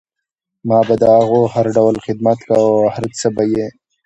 ما به د هغو هر ډول خدمت کوه او هر څه به یې